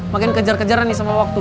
makin kejar kejaran nih sama waktu